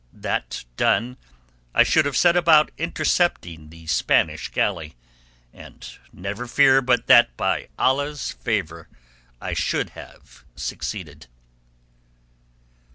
That done, I should have set about intercepting the Spanish galley, and never fear but that by Allah's favour I should have succeeded."